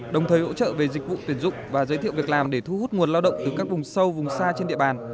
đồng thời hỗ trợ về dịch vụ tuyển dụng và giới thiệu việc làm để thu hút nguồn lao động từ các vùng sâu vùng xa trên địa bàn